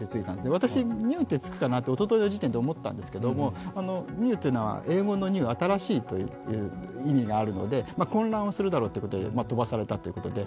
私、ニューとつくかなとおとといの時点で思ったんですがニューというのは英語のニュー新しいという意味があるので混乱はするだろうということでとばされたということで。